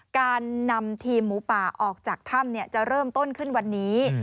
การนำทีมหมูป่าออกจากถ้ำจะเริ่มต้นขึ้นวันนี้